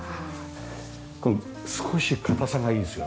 この少し硬さがいいですよね。